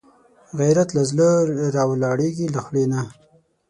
غیرت له زړه راولاړېږي، له خولې نه